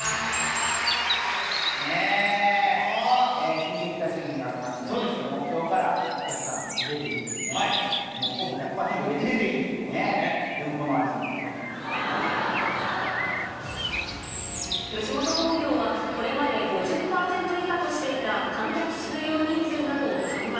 緊急事態宣言が明けまして、もうきょうからお客さん、入れていいということでね、入れていいんです、きょうかでも、吉本興業はこれまで５０％以下としていた観客収容人数などを緩和。